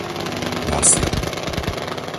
Vasil